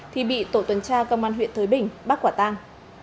thì bị tổ tuần tra công an huyện thới bình bắt quả tang